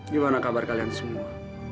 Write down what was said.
gimana kabar kalian semua